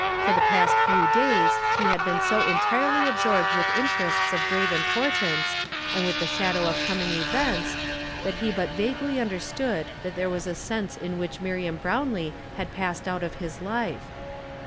For the pjiHt few days he had been so entirely al)fiorb(Ml with interests of grave importance and with the shadow of ccM.iing events that lie but vaguely un derstood that there was a sense in which Miriam Hrownlee had passed out of his life.